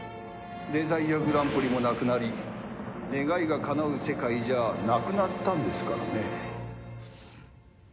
デザイアグランプリもなくなり願いがかなう世界じゃなくなったんですからね。